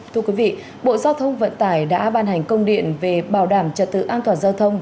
thưa quý vị bộ giao thông vận tải đã ban hành công điện về bảo đảm trật tự an toàn giao thông